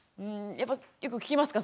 やっぱよく聞きますか？